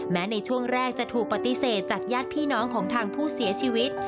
แม้ในช่วงแรกจะถูกปฏิเสธจากญาติพี่น้องของทางผู้เสียชีวิต